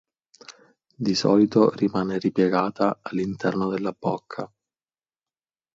Di solito rimane ripiegata all'interno della bocca.